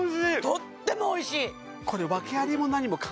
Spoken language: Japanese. とってもおいしい！